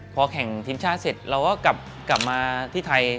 พอแข่งทีมชาติเสร็จเราก็กลับมาที่ไทย